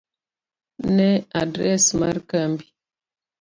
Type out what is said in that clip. ne adres mar kambi.